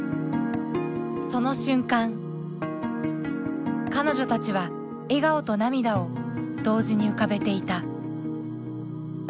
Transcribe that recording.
その瞬間彼女たちは笑顔と涙を同時に浮かべていた。